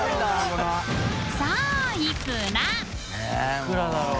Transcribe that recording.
いくらだろう？